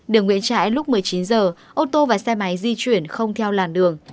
đường nguyễn trãi lúc một mươi chín h ô tô và xe máy di chuyển không theo làn đường